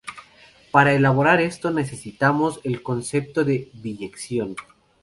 Para elaborar esto necesitamos el concepto de biyección.